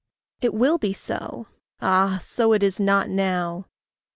It will be so ah, so it is not now!